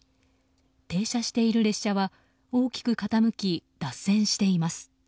停車している列車は大きく傾き脱線しています。